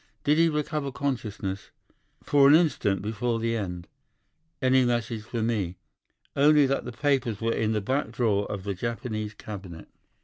"'Did he recover consciousness?' "'For an instant before the end.' "'Any message for me.' "'Only that the papers were in the back drawer of the Japanese cabinet.